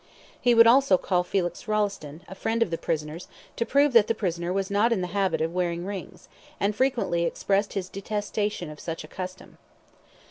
He would also call Felix Rolleston, a friend of the prisoners, to prove that the prisoner was not in the habit of wearing rings, and frequently expressed his detestation of such a custom.